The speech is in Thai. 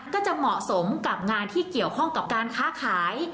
ก็จะเหมาะสมกับงานที่เกี่ยวข้องกับการค้าขาย